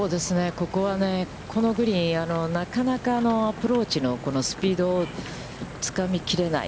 ここはね、このグリーン、なかなかアプローチのスピードをつかみ切れない。